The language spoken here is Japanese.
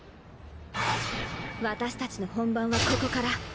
私たちの本番はここから。